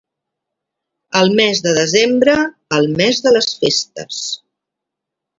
El mes de desembre, el mes de les festes.